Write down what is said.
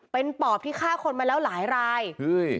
เป็นปอบที่ฆ่าคนมาแล้วหลายรายเฮ้ย